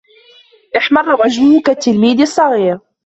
احمر وجهه كالتلميذ الصغير.